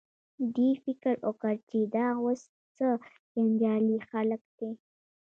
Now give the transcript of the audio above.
دې فکر وکړ چې دا اوس څه جنجالي خلک دي.